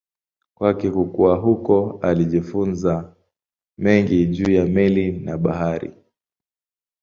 Kwa kukua huko alijifunza mengi juu ya meli na bahari.